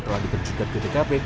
telah dipercukat ke dkp